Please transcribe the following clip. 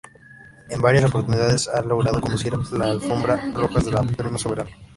En varias oportunidades ha logrado conducir la alfombra roja de los Premios Soberano.